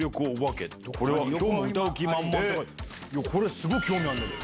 すごい興味あるんだけど。